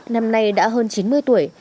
năm nay đã hơn chín mươi tuổi